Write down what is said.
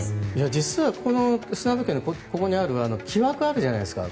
実はこの砂時計のここにある木枠あるじゃないですか。